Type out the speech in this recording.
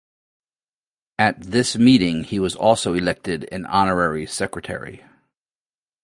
At this meeting he was also elected an honorary Secretary.